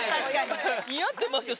似合ってますよ